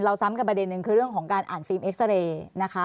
อีกหนึ่งประเด็นนึงคือเรื่องของการอ่านฟิล์มเอ็กซ์เตอร์เรย์